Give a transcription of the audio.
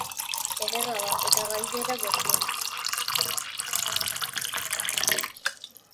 Ederra da eta gainera merkea.